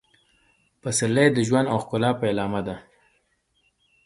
پسرلی د ژوند او ښکلا پیلامه ده.